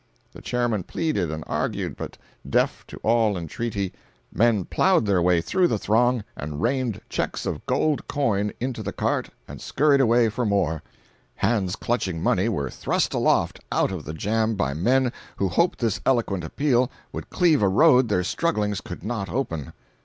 The chairman pleaded and argued, but, deaf to all entreaty, men plowed their way through the throng and rained checks of gold coin into the cart and skurried away for more. Hands clutching money, were thrust aloft out of the jam by men who hoped this eloquent appeal would cleave a road their strugglings could not open.